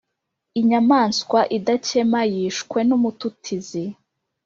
Inyamaswa idakema yishwe n’umututizi